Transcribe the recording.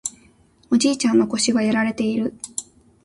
おじいちゃんの腰はやられている